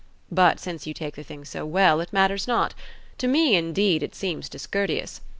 But since you take the thing so well, it matters not. To me, indeed, it seems discourteous.